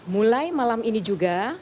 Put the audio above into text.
mulai malam ini juga